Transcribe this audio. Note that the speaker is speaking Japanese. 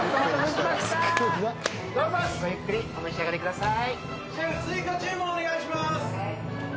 どうぞごゆっくりお召し上がりください。